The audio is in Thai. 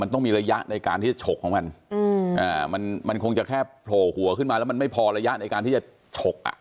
มันต้องมีระยะในการที่จะฉกของมันมันคงจะแค่โผล่หัวขึ้นมาแล้วมันไม่พอระยะในการที่จะฉกอ่ะ